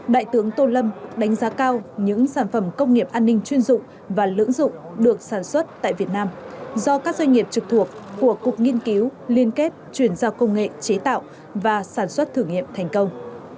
đại tướng tô lâm đánh giá cao những sản phẩm công nghiệp an ninh chuyên dụng và lưỡng dụng được sản xuất tại việt nam do các doanh nghiệp trực thuộc của cục nghiên cứu liên kết chuyển giao công nghệ chế tạo và sản xuất thử nghiệm thành công